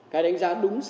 cái đánh giá đúng sai